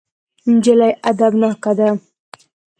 نجلۍ ادبناکه ده.